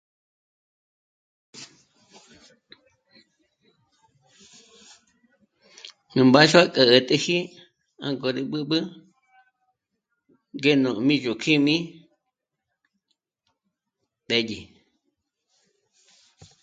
Nù mbáxua 'ä̌t'äji 'ànko rí b'ǜb'ü gèno mi yo kjími b'ezhi